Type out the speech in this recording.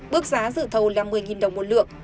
bước giá dự thầu là một mươi đồng một lượng